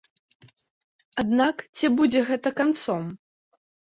Аднак ці будзе гэта канцом?